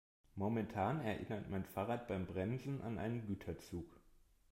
Momentan erinnert mein Fahrrad beim Bremsen an einen Güterzug.